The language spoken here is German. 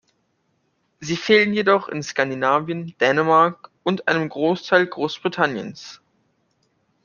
Sie fehlen jedoch in Skandinavien, Dänemark und einem Großteil Großbritanniens.